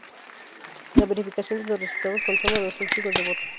La verificación de los resultados contando los testigos de voto.